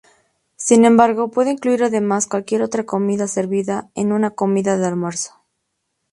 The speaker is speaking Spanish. Sin embargo, puede incluir además cualquier otra comida servida en una comida de almuerzo.